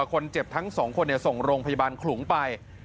คนเจ็บทั้งสองคนส่งโรงพยาบาลขลุงไป